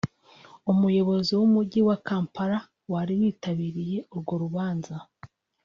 Umuyobozi w’Umujyi wa Kampala wari witabiriye urwo rubanza